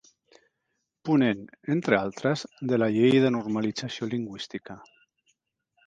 Ponent –entre altres– de la Llei de Normalització Lingüística.